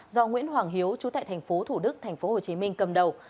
do nguyễn hoàng hiếu trú tại tp thủ đức tp hcm cầm đầu